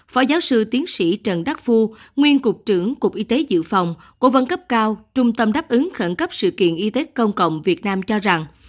phó giáo sư tiến sĩ trần đắc phu nguyên cục trưởng cục y tế dự phòng cố vấn cấp cao trung tâm đáp ứng khẩn cấp sự kiện y tế công cộng việt nam cho rằng